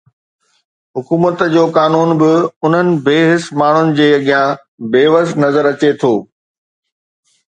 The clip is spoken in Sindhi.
حڪومت جو قانون به انهن بي حس ماڻهن جي اڳيان بي وس نظر اچي ٿو